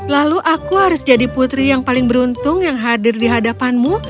lalu aku harus jadi putri yang paling beruntung yang hadir di hadapanmu